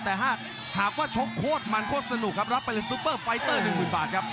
แต่หากว่าชกโคตรมันโคตรสนุกครับรับไปเลยซุปเปอร์ไฟเตอร์๑๐๐๐บาทครับ